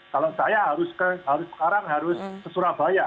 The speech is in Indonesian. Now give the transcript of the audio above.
kalau saya harus ke harus sekarang harus ke surabaya